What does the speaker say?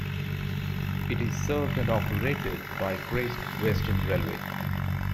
It is served and operated by Great Western Railway.